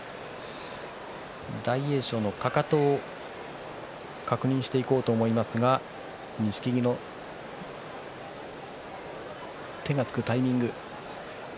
大栄翔のかかと確認していこうと思いますが錦木の手がつくタイミング